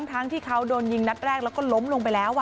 ทั้งที่เขาโดนยิงนัดแรกแล้วก็ล้มลงไปแล้ว